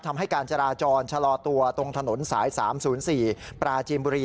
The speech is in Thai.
ทำให้การจราจรชะลอตัวตรงถนนสาย๓๐๔ปราจีนบุรี